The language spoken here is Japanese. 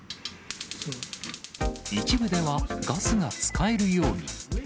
一部ではガスが使えるように。